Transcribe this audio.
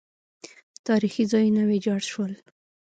تاریخي ځایونه ویجاړ شول